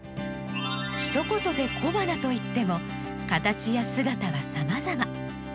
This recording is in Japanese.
ひと言で小花といっても形や姿はさまざま。